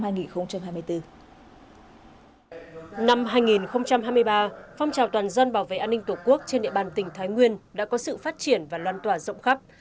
năm hai nghìn hai mươi ba phong trào toàn dân bảo vệ an ninh tổ quốc trên địa bàn tỉnh thái nguyên đã có sự phát triển và loan tỏa rộng khắp